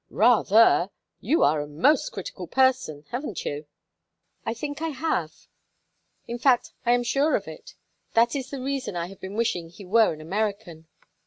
"Rather! You are a most critical person. Haven't you?" "I think I have. In fact I am sure of it. That is the reason I have been wishing he were an American."